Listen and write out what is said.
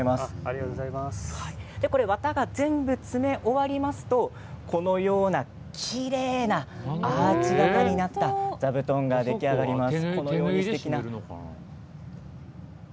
これ、綿が全部詰め終わりますとこのようなきれいなアーチ形になった座布団が出来上がります。